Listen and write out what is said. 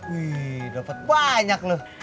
wih dapet banyak lu